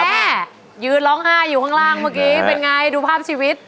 แม่ยืนร้องไห้อยู่ข้างล่างเมื่อกี้เป็นไงดูภาพชีวิต